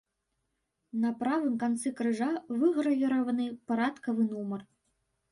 На правым канцы крыжа выгравіраваны парадкавы нумар.